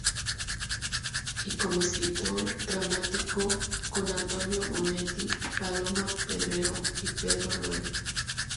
Y como escritor dramático con Antonio Onetti, Paloma Pedrero y Pedro Loeb.